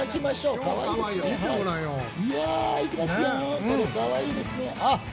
かわいいですね。